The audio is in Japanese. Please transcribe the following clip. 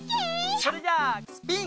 それじゃスピン！